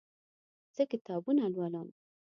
زه کتابونه لولم